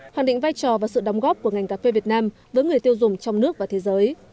hoàn định vai trò và sự đóng góp của ngành cà phê việt nam với người tiêu dùng trong nước và thế giới